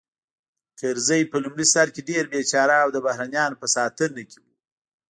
کرزی په لومړي سر کې ډېر بېچاره او د بهرنیانو په ساتنه کې و